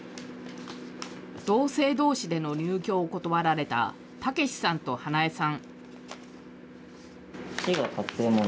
同性どうしでの入居を断られたタケシさんとハナエさん。